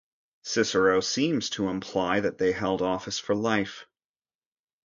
Cicero seems to imply that they held office for life.